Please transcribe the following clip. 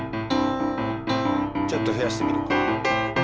ちょっと増やしてみるか。